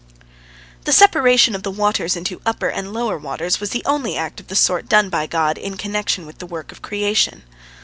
The separation of the waters into upper and lower waters was the only act of the sort done by God in connection with the work of creation.